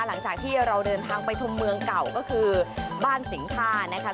หลังจากที่เราเดินทางไปชมเมืองเก่าก็คือบ้านสิงทานะคะ